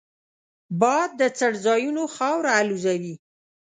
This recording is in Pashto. باد د څړځایونو خاوره الوزوي